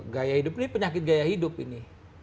gaya hidup ini penyakit gaya hidup ini